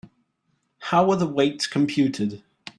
How are the weights computed?